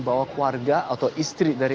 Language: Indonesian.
bahwa keluarga atau istri dari